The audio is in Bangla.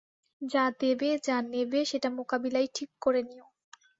যা দেবে যা নেবে সেটা মোকাবিলায় ঠিক করে নিয়ো।